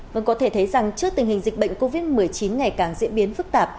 vâng có thể thấy rằng trước tình hình dịch bệnh covid một mươi chín ngày càng diễn biến phức tạp